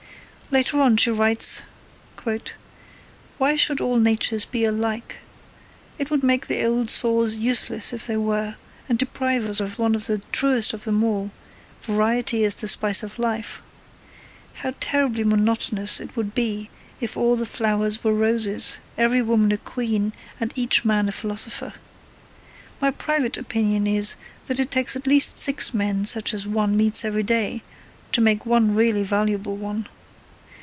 Later on she writes: Why should all natures be alike? It would make the old saws useless if they were, and deprive us of one of the truest of them all, 'Variety is the spice of life.' How terribly monotonous it would be if all the flowers were roses, every woman a queen, and each man a philosopher. My private opinion is that it takes at least six men such as one meets every day to make one really valuable one.